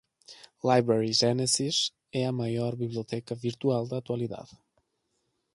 Library genesis é a maior biblioteca virtual da atualidade